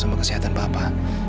sama kesehatan papa